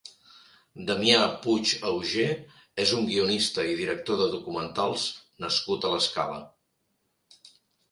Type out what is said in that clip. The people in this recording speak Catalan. Damià Puig Augé és un guionista i director de documentals nascut a l'Escala.